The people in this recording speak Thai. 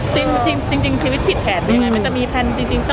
จริงชีวิตผิดแผนไปยังไง